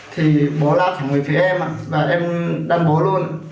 thì bố lạc ở người phía em ạ và em đánh bố luôn